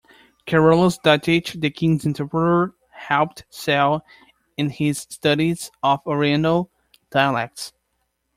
Carolus Dadichi, the king's interpreter, helped Sale in his studies of oriental dialects.